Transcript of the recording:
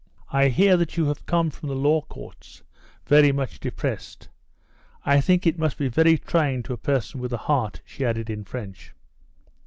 "I hear that you have come from the Law Courts very much depressed. I think it must be very trying to a person with a heart," she added in French.